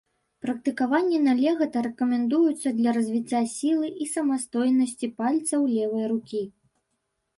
Практыкаванні на легата рэкамендуюцца для развіцця сілы і самастойнасці пальцаў левай рукі.